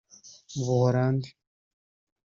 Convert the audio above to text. mu Buholandi